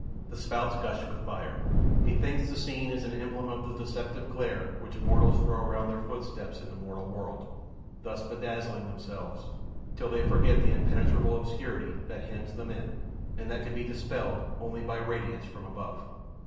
The spouts gush with fire. Methinks the scene is an emblem of the deceptive glare, which mortals throw around their footsteps in the moral world, thus bedazzling themselves, till they forget the impenetrable obscurity that hems them in, and that can be dispelled only by radiance from above.